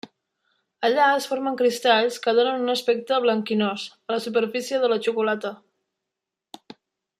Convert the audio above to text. Allà es formen cristalls que donen un aspecte blanquinós a la superfície de la xocolata.